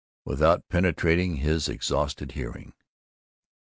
without penetrating his exhausted hearing.